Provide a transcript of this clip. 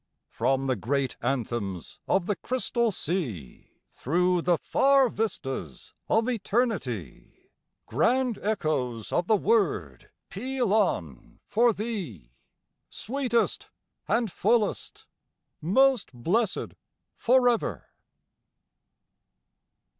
From the great anthems of the Crystal Sea, Through the far vistas of Eternity, Grand echoes of the word peal on for thee, Sweetest and fullest: 'Most blessed for ever.'